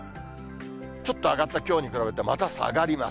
ちょっと上がったきょうに比べてまた下がります。